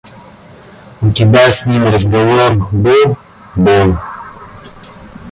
У тебя с ним разговор был? – Был.